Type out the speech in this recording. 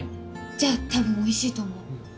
じゃあたぶんおいしいと思う。